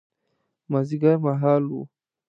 مازیګر مهال و.